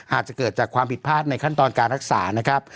อาจจะเกิดจากความผิดพลาดในขั้นตอนการรักษานะครับ